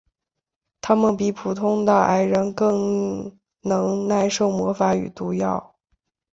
他们比普通的矮人更能耐受魔法与毒药。